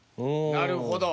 なるほど。